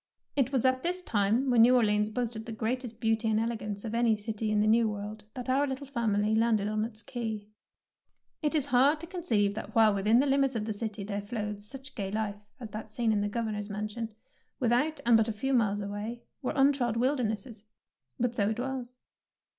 It was at this time, when New Orleans boasted the greatest beauty and elegance of any city in the New World, that our little family landed on its quay. 160 THE PEAEL NECKLACE It is hard to conceive that while within the limits of the city there flowed such gay life as that seen in the Governor's mansion, without, and but a few miles away, were untrod wildernesses. But so it was.